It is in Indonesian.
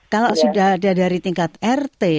kalau sudah ada dari tingkat rt